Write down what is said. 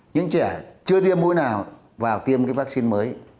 những trẻ chưa tiêm mũi nào vào tiêm cái vaccine mới